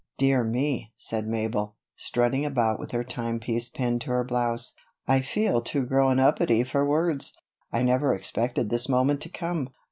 "Dear me," said Mabel, strutting about with her timepiece pinned to her blouse, "I feel too grown upedy for words. I never expected this moment to come."